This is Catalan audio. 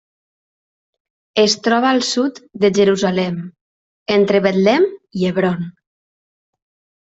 Es troba al sud de Jerusalem, entre Betlem i Hebron.